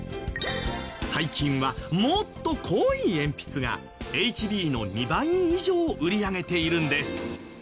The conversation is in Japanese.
最近はもっと濃い鉛筆がＨＢの２倍以上売り上げているんです。